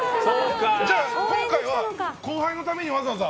じゃあ、今回は後輩のためにわざわざ？